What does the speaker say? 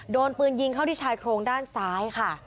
โดนปืนยิงเข้าที่ชายโครงด้านซ้ายค่ะ